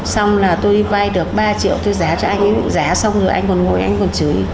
xong là tôi đi vai được ba triệu tôi giá cho anh ấy giá xong rồi anh ấy còn ngồi anh ấy còn chửi